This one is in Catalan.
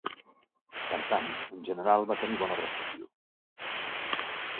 Per tant, en general va tenir bona recepció.